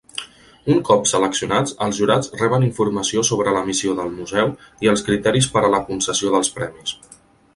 Un cop seleccionats, els jurats reben informació sobre la missió del museu i els criteris per a la concessió dels premis.